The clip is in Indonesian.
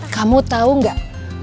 kamu tahu gak